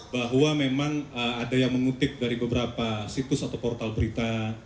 bahwa memang ada yang mengutip dari beberapa situs atau portal berita